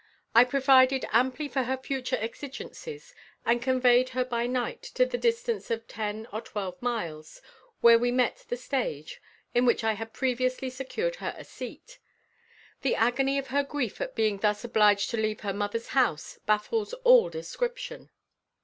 I provided amply for her future exigencies, and conveyed her by night to the distance of ten or twelve miles, where we met the stage, in which I had previously secured her a seat. The agony of her grief at being thus obliged to leave her mother's house baffles all description.